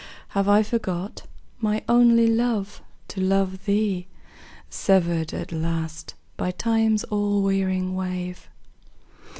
Have I forgot, my only love, to love thee, Severed at last by Time's all wearing wave?